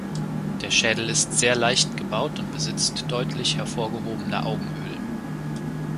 Der Schädel ist sehr leicht gebaut und besitzt deutlich hervorgehobene Augenhöhlen.